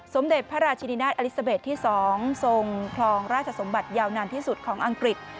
สมเด็จพระราชินินาศอลิซาเบสที่๒ทรงคลองราชสมบัติยาวนานที่สุดของอังกฤษ